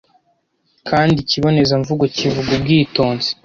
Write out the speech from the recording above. kandi ikibonezamvugo kivuga ubwitonzi